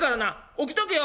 起きとけよ！」。